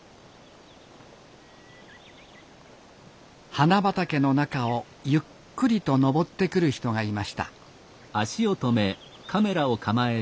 花畑の中をゆっくりと登ってくる人がいました。